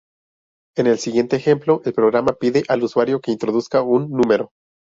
En el siguiente ejemplo, el programa pide al usuario que introduzca un número.